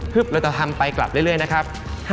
เราจะทำไปกลับเรื่อยนะครับ